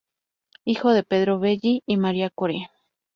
Hijo de Pedro Belli y María Core.